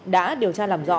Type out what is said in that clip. đã điều tra làm rõ